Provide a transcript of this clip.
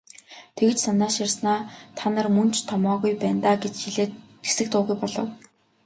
Тэгж санааширснаа "Та нар мөн ч томоогүй байна даа" гэж хэлээд хэсэг дуугүй болов.